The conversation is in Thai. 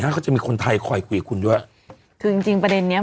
เขาจะมีคนไทยคอยคุยคุณด้วยคือจริงจริงประเด็นเนี้ย